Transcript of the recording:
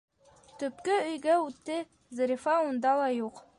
Төпкө өйгә үтте - Зарифа унда ла юҡ.